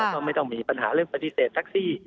ก็ไม่ต้องมีปัญหาเรื่องปฏิเสธแท็กซี่